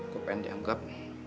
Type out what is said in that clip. gue pengen dianggap